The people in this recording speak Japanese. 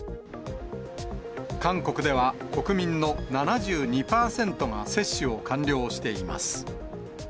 韓国では、国民の７２％が接種を完了しています。